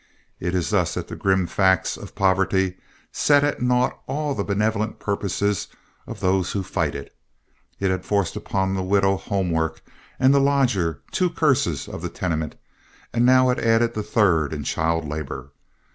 It is thus that the grim facts of poverty set at naught all the benevolent purposes of those who fight it. It had forced upon the widow home work and the lodger, two curses of the tenement, and now it added the third in child labor.